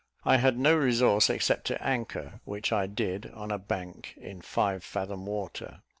I had no resource, except to anchor, which I did on a bank, in five fathom water.